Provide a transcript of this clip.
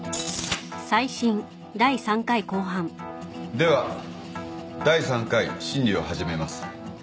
では第３回審理を始めます。